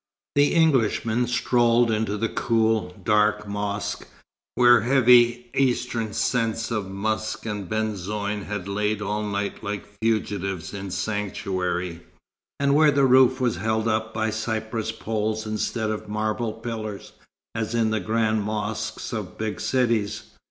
The Englishmen strolled into the cool, dark mosque, where heavy Eastern scents of musk and benzoin had lain all night like fugitives in sanctuary, and where the roof was held up by cypress poles instead of marble pillars, as in the grand mosques of big cities.